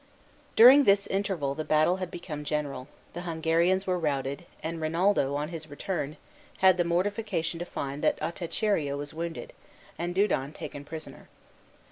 During this interval the battle had become general, the Hungarians were routed, and Rinaldo, on his return, had the mortification to find that Ottachiero was wounded, and Dudon taken prisoner.